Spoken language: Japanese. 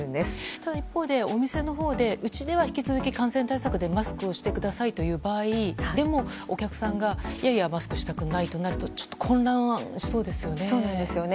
ただ一方でお店のほうでうちでは引き続き感染対策でマスクをしてくださいという場合でもお客さんがマスクをしたくないとなるとちょっと混乱しそうですよね。